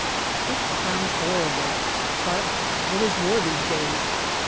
It sounds horrible, but it is war these days.